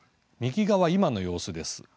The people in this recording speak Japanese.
右側、今の様子です。